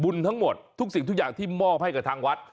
ทั้งหมดทุกสิ่งทุกอย่างที่มอบให้กับทางวัด